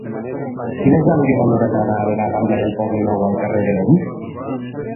Quina és la millor manera d'anar de la rambla del Poblenou al carrer de l'Om?